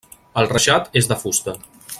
El reixat és de fusta.